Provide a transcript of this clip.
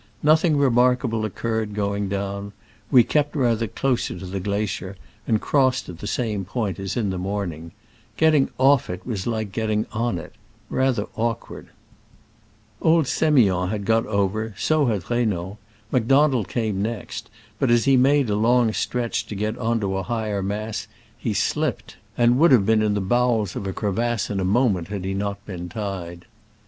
Nothing remarkable occurred going down. We kept rather closer to the glacier, and crossed at the same point as in the morning. Getting off it was like getting on it — rather awkward. Old S^miond had got over, so had Reynaud : Macdonald came next, but as he made a long stretch to get on to a higher mass, he slipped, and would have been Digitized by Google 26 SCRAMBLES AMONGST THE ALPS IN i86o '69. in the bowels of a crevasse in a moment had he not been tied.